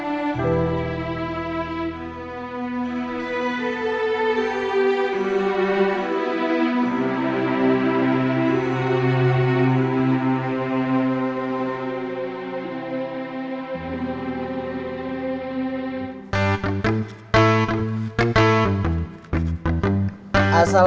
ayah mama kemana